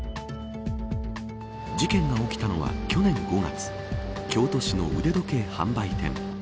事件が起きたのは去年５月京都市の腕時計販売店。